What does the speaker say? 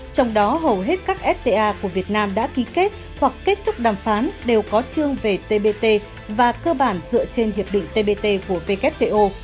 trong đó hầu hết các fta của việt nam đã ký kết hoặc kết thúc đàm phán đều có chương về tbt và cơ bản dựa trên hiệp định tbt của wto